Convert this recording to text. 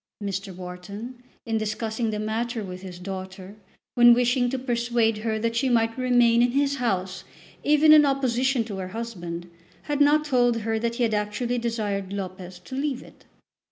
Mr. Wharton, in discussing the matter with his daughter, when wishing to persuade her that she might remain in his house even in opposition to her husband, had not told her that he had actually desired Lopez to leave it.